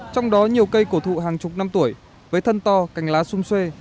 trong đó nhiều cây cổ thụ hàng chục năm tuổi với thân to cành lá xung xuê